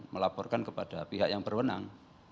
melaporkan kepada pihak yang berwenang